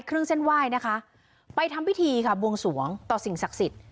เครื่องเส้นไหว้นะคะไปทำพิธีค่ะบวงสวงต่อสิ่งศักดิ์สิทธิ์